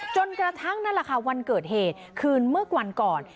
จนกระทั่งนั่นแหละค่ะวันเกิดเหตุคืนเมื่อวันก่อน